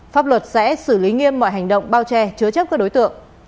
pháp luật sẽ xử lý nghiêm mọi hành động bao che chứa chấp các đối tượng